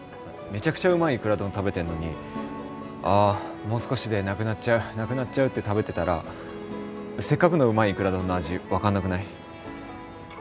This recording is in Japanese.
めちゃくちゃうまいいくら丼食べてんのにああもう少しでなくなっちゃうなくなっちゃうって食べてたらせっかくのうまいいくら丼の味分かんなくない？